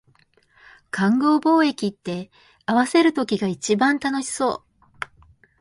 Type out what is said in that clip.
勘合貿易って、合わせる時が一番楽しそう